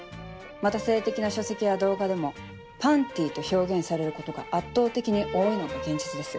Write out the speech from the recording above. また性的な書籍や動画でも「パンティ」と表現されることが圧倒的に多いのが現実です。